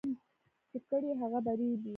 چي کرې، هغه به رېبې.